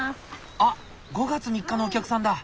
あっ５月３日のお客さんだ！